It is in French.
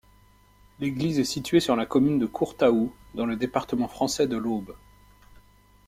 L'église est située sur la commune de Courtaoult, dans le département français de l'Aube.